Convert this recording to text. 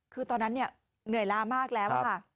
คือตอนนั้นเหนื่อยล้ามากแล้วค่ะ